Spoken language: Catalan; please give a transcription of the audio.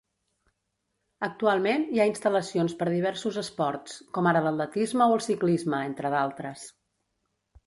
Actualment hi ha instal·lacions per diversos esports, com ara l'atletisme o el ciclisme, entre d'altres.